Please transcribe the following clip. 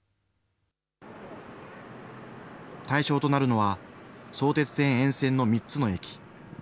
対象となるのは、相鉄線沿線の３つの駅。